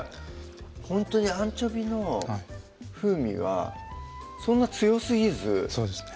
ほんとにアンチョビーの風味はそんな強すぎずそうですね